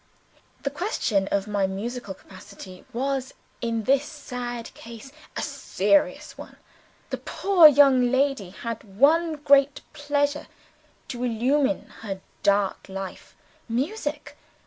The question of my musical capacity was, in this sad case, a serious one. The poor young lady had one great pleasure to illumine her dark life Music.